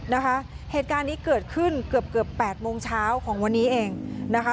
นะคะเหตุการณ์นี้เกิดขึ้นเกือบเกือบแปดโมงเช้าของวันนี้เองนะคะ